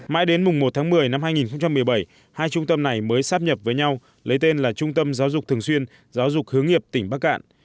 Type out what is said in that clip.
mãi đến mùng một tháng một mươi năm hai nghìn một mươi bảy hai trung tâm này mới sắp nhập với nhau lấy tên là trung tâm giáo dục thường xuyên giáo dục hướng nghiệp tỉnh bắc cạn